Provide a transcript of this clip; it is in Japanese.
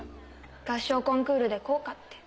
合唱コンクールで校歌って。